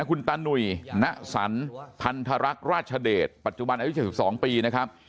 คุณตาหนุ่ยณสันพันธรรคราชเดชปัจจุบันอายุ๗๒ปีนะครับ